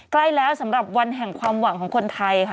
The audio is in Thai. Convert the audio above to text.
ใกล้แล้วสำหรับวันแห่งความหวังของคนไทยค่ะ